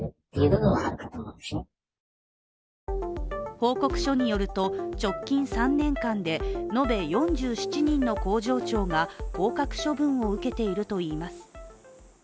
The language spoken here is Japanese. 報告書によると、直近３年間で延べ４７人の工場長が降格処分を受けているといいます。